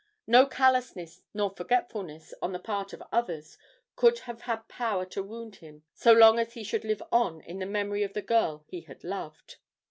No callousness nor forgetfulness on the part of others could have had power to wound him so long as he should live on in the memory of the girl he had loved.